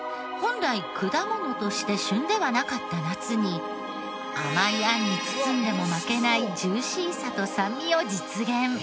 本来果物として旬ではなかった夏に甘いあんに包んでも負けないジューシーさと酸味を実現。